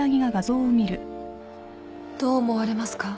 どう思われますか？